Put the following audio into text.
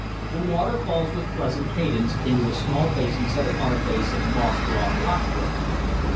The water falls with pleasant cadence into a small basin set upon a base of moss grown rockwork.